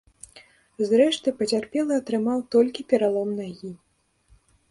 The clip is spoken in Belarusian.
Зрэшты, пацярпелы атрымаў толькі пералом нагі.